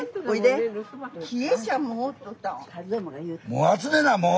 もう集めんなもう！